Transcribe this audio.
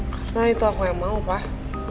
karena itu aku yang mau pahh